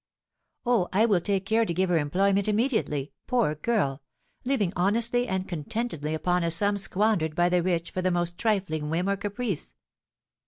"Oh, I will take care to give her employment immediately. Poor girl! living honestly and contentedly upon a sum squandered by the rich for the most trifling whim or caprice."